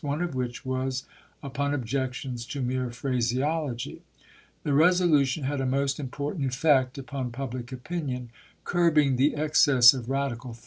one of which was upon objections to mere phrase ology. The resolution had a most important effect upon public opinion, curbing the excess of radical 380 ABKAHAM LINCOLN Chap. XXI.